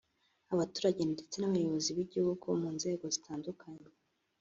abaturage ndetse n’abayobozi b’igihugu mu nzego zitandukanye